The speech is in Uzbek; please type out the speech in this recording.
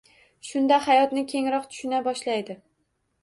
Shunda hayotni kengroq tushuna boshlaydi